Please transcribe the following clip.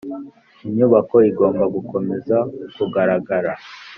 inyubako igomba gukomeza kugaragara